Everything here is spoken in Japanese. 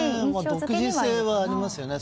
独自性がありますよね。